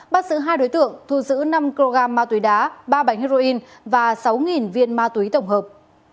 bắt giữ hai đối tượng thu giữ năm kg ma túy đá ba bánh heroin và sáu viên ma túy tổng hợp